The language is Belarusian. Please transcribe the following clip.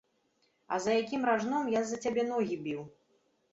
А за якім ражном я з-за цябе ногі біў?